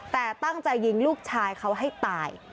แต่ตั้งใจยิงลูกชายเขาให้ตาย